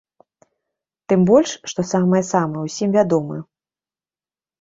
Тым больш, што самыя-самыя ўсім вядомы.